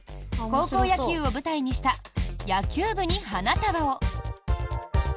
高校野球を舞台にした「野球部に花束を」。